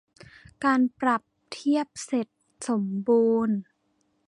การปรับเทียบเสร็จสมบูรณ์